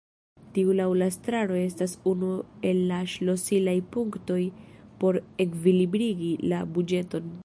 Tio laŭ la estraro estas unu el la ŝlosilaj punktoj por ekvilibrigi la buĝeton.